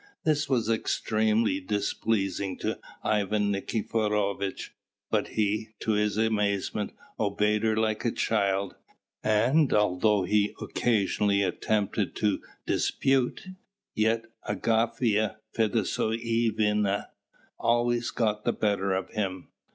This was extremely displeasing to Ivan Nikiforovitch; but he, to his amazement, obeyed her like a child; and although he occasionally attempted to dispute, yet Agafya Fedosyevna always got the better of him.